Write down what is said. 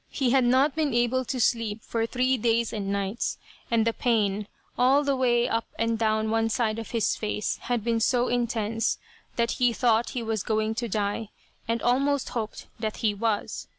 He had not been able to sleep for three days and nights, and the pain, all the way up and down one side of his face had been so intense that he thought he was going to die, and almost hoped that he was.